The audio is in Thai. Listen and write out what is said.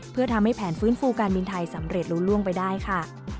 เพื่อทำให้แผนฟื้นฟูการบินไทยสำเร็จรู้ล่วงไปได้ค่ะ